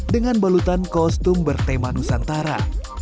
dengan balutan kostum bertema nusantara